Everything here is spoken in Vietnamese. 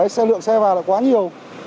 xe lượng xe vào là quá nhiều